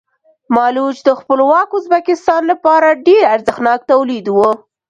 مالوچ د خپلواک ازبکستان لپاره ډېر ارزښتناک تولید و.